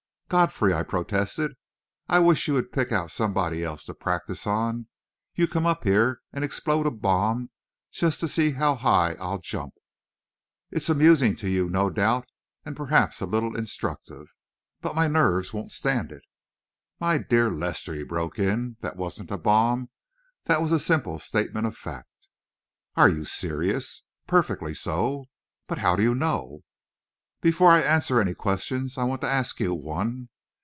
"Godfrey," I protested, "I wish you would pick out somebody else to practise on. You come up here and explode a bomb just to see how high I'll jump. It's amusing to you, no doubt, and perhaps a little instructive; but my nerves won't stand it." "My dear Lester," he broke in, "that wasn't a bomb; that was a simple statement of fact." "Are you serious?" "Perfectly so." "But how do you know...." "Before I answer any questions, I want to ask you one.